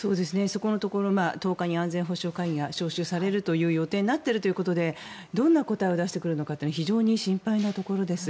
そこのところ１０日に安全保障会議が招集される予定になっているということでどんな答えを出してくるのか非常に心配なところです。